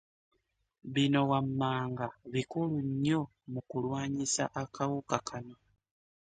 Bino wammanga bikulu nnyo mu kulwanyisa akawuka kano.